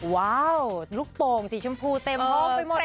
ว้าวลูกโป่งสีชมพูเต็มห้องไปหมดเลย